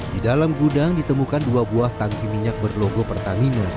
di dalam gudang ditemukan dua buah tangki minyak berlogo pertamina